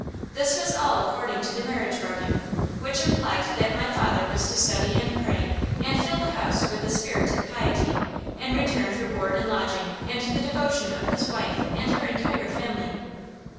This was all according to the marriage bargain, which implied that my father was to study and pray and fill the house with the spirit of piety, in return for board and lodging and the devotion of his wife and her entire family.